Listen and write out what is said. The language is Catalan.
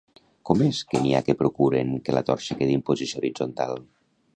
Com és que n'hi ha que procuren que la torxa quedi en posició horitzontal?